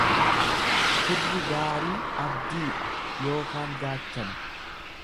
Firri gaarii abdiidha yookaan gaachana.